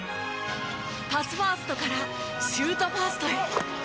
パスファーストからシュートファーストへ。